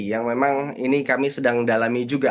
yang memang ini kami sedang dalami juga